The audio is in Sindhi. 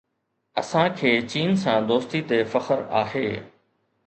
اسان کي چين سان دوستي تي فخر آهي.